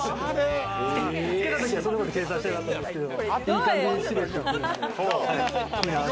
つけたときはそんなんの計算しなかったんですけど。